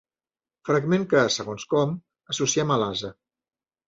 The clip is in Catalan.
Fragment que, segons com, associem a l'ase.